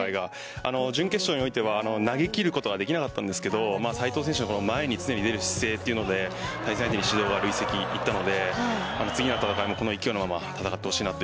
準決勝においては投げ切ることができませんでしたが斉藤選手の前に常に出る姿勢で対戦相手に指導が累積でいったんで次もこの勢いのまま戦ってほしいです。